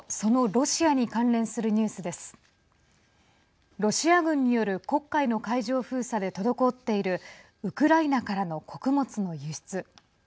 ロシア軍による黒海の海上封鎖で滞っているウクライナからの穀物の輸出。